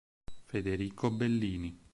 Federico Bellini